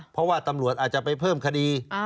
เพราะว่าตำรวจอาจจะไปเพิ่มคดี